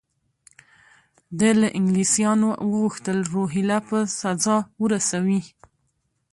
ده له انګلیسیانو وغوښتل روهیله په سزا ورسوي.